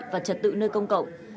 và trật tự nơi công cộng